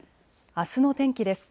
あすの天気です。